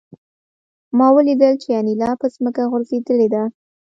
ما ولیدل چې انیلا په ځمکه غورځېدلې ده